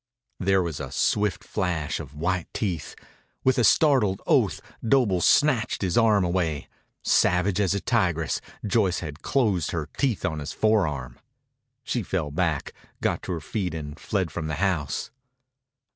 There was a swift flash of white teeth. With a startled oath Doble snatched his arm away. Savage as a tigress, Joyce had closed her teeth on his forearm. She fell back, got to her feet, and fled from the house.